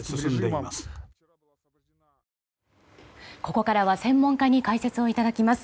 ここからは専門家に解説をいただきます。